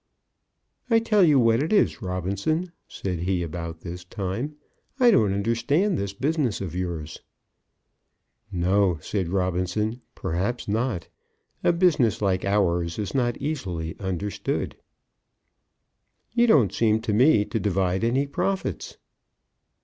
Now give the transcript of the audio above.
"I tell you what it is, Robinson," said he, about this time: "I don't understand this business of yours." "No," said Robinson; "perhaps not. A business like ours is not easily understood." "You don't seem to me to divide any profits."